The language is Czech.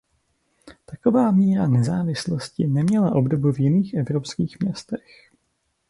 Taková míra nezávislosti neměla obdobu v jiných evropských městech.